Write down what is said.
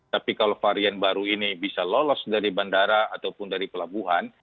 tapi kalau varian baru ini bisa lolos dari bandara ataupun dari pelabuhan